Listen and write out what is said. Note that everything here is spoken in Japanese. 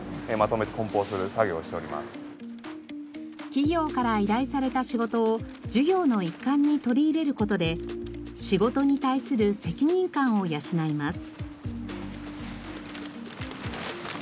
企業から依頼された仕事を授業の一環に取り入れる事で仕事に対する責任感を養います。